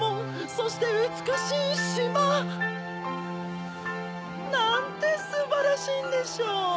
そしてうつくしいしま！なんてすばらしいんでしょう！